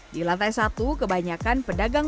di lantai satu kebanyakan pedagang